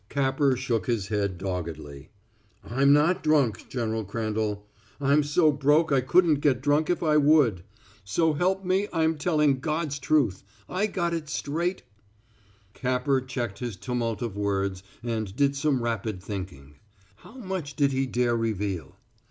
Capper shook his head doggedly. "I'm not drunk, General Crandall. I'm so broke I couldn't get drunk if I would. So help me, I'm telling God's truth. I got it straight " Capper checked his tumult of words, and did some rapid thinking. How much did he dare reveal!